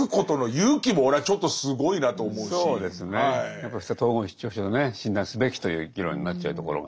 やっぱり統合失調症でね診断すべきという議論になっちゃうところが。